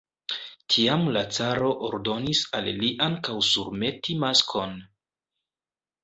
Tiam la caro ordonis al li ankaŭ surmeti maskon.